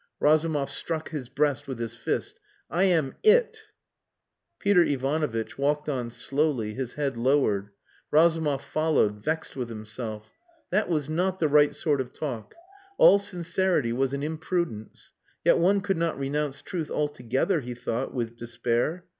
Razumov struck his breast with his fist. "I am it!" Peter Ivanovitch walked on slowly, his head lowered. Razumov followed, vexed with himself. That was not the right sort of talk. All sincerity was an imprudence. Yet one could not renounce truth altogether, he thought, with despair.